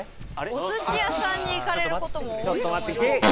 お寿司屋さんに行かれることも多いと思います